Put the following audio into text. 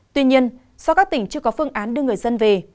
tuy nhiên do các tỉnh chưa có phương án đưa người dân về